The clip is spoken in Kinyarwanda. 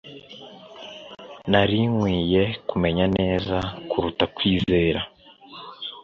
Nari nkwiye kumenya neza kuruta kukwizera.